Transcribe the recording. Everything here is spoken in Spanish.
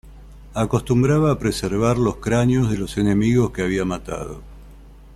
Acostumbraba a preservar los cráneos de los enemigos que había matado.